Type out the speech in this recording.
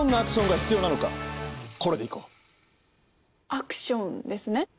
アクションですね？